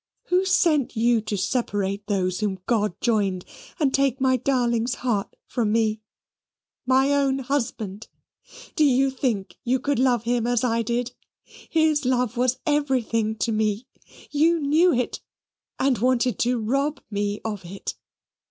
Who sent you to separate those whom God joined, and take my darling's heart from me my own husband? Do you think you could love him as I did? His love was everything to me. You knew it, and wanted to rob me of it.